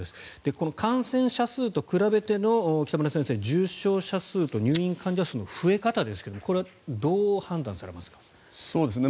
この感染者数と比べての北村先生、重症者数と入院患者数の増え方ですがこれはどう判断されますか？